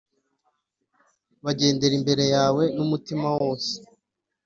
bagendera imbere yawe n’umutima wose